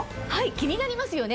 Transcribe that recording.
気になりますよね。